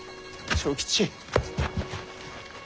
長吉。